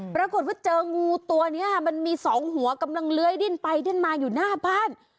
ปรากฏว่าเจองูตัวนี้มันมีสองหัวกำลังเลื้อยดิ้นไปดิ้นมาอยู่หน้าบ้าน